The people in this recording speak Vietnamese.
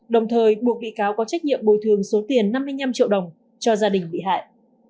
đồng thời buộc bị cáo có trách nhiệm bồi thường số tiền năm mươi năm triệu đồng cho gia đình bị hại